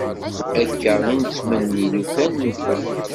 Akka i d-nettmenni lukan nufa.